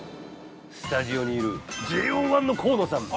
スタジオにいるＪＯ１の河野さん